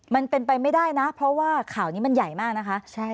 มันเป็นไปไม่ได้นะเพราะว่าข่าวนี้มันใหญ่มากนะคะ